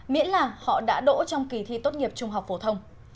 miễn là họ đã đỗ trong kỳ thi tốt nghiệp trung học phổ thông